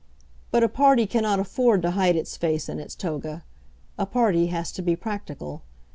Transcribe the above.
But a party cannot afford to hide its face in its toga. A party has to be practical.